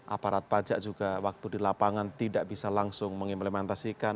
aparat pajak juga waktu di lapangan tidak bisa langsung mengimplementasikan